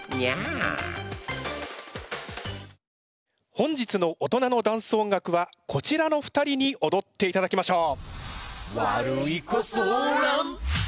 本日の「おとなのダンス音楽」はこちらの２人におどっていただきましょう。